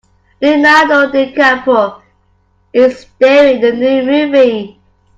Leonardo DiCaprio is staring in the new movie.